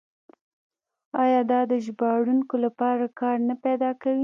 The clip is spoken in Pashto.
آیا دا د ژباړونکو لپاره کار نه پیدا کوي؟